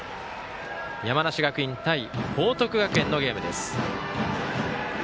山梨学院対報徳学園のゲームです。